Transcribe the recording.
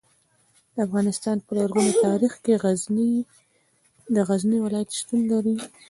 د افغانستان په لرغوني تاریخ کې د غزني ولایت شتون لري.